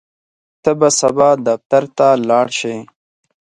ته به سبا دفتر ته لاړ شې؟